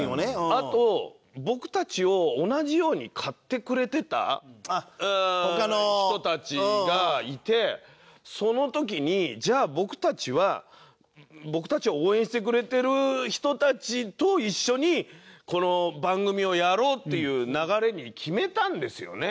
あと僕たちを同じように買ってくれてた人たちがいてその時にじゃあ僕たちは僕たちを応援してくれてる人たちと一緒にこの番組をやろうという流れに決めたんですよね。